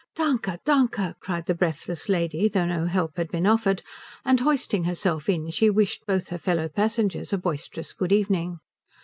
"Danke, Danke," cried the breathless lady, though no help had been offered; and hoisting herself in she wished both her fellow passengers a boisterous good evening.